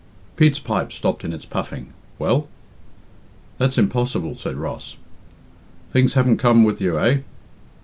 Pete's pipe stopped in its puffing. "Well?" "That's impossible," said Ross. "Things haven't come with you, eh?"